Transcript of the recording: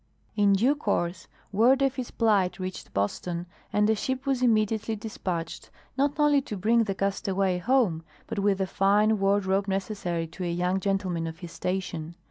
In due course word of his plight reached Boston, and a ship was immediately despatched, not only to bring the castaway home, but with the fine wardrobe necessary to a young gentleman of his station.